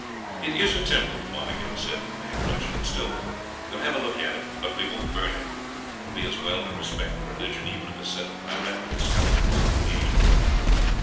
"It is a temple," Fothergill said when they approached it. "Still, we will have a look at it, but we won't burn it; it will be as well to respect the religion, even of a set of piratical scoundrels like these."